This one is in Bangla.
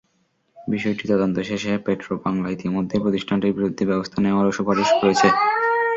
বিষয়টি তদন্ত শেষে পেট্রোবাংলা ইতিমধ্যেই প্রতিষ্ঠানটির বিরুদ্ধে ব্যবস্থা নেওয়ারও সুপারিশ করেছে।